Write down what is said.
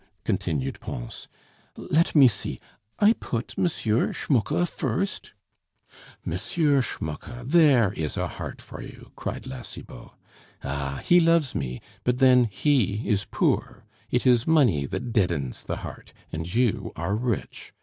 continued Pons. "Let me see; I put M. Schmucke first " "M. Schmucke! there is a heart for you," cried La Cibot. "Ah! he loves me, but then he is poor. It is money that deadens the heart; and you are rich!